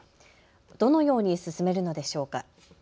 どのように進めるのでしょうか。